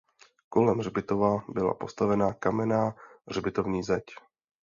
Kolem hřbitova byla postavena kamenná hřbitovní zeď.